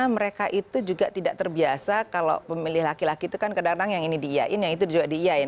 mereka itu juga tidak terbiasa kalau pemilih laki laki itu kan kadang kadang yang ini diiyain yang itu juga diiyain